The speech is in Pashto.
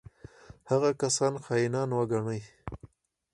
هغه کسان خاینان وګڼي.